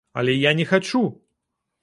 Але я не хачу!